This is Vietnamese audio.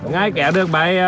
ngay kẹo được mấy chút